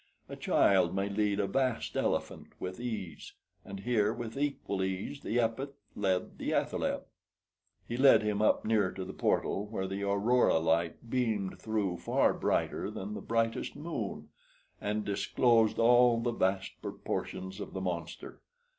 A child may lead a vast elephant with ease, and here with equal ease the Epet led the athaleb. He led him up near to the portal, where the aurora light beamed through far brighter than the brightest moon, and disclosed all the vast proportions of the monster.